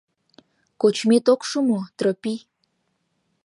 — Кочмет ок шу мо, Тропий?